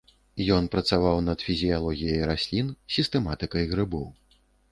Ён працаваў над фізіялогіяй раслін, сістэматыкай грыбоў.